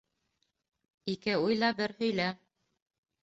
Ике уйла бер һөйлә.